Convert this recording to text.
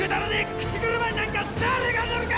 口車になんか誰が乗るか！